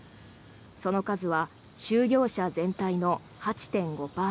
その数は就業者全体の８．５％。